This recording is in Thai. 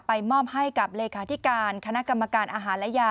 มอบให้กับเลขาธิการคณะกรรมการอาหารและยา